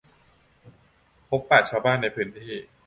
พบปะชาวบ้านในพื้นที่